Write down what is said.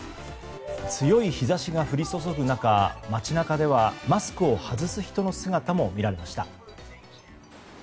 強い日差しが降り注ぐ中街中ではマスクを外す人の姿も見られました。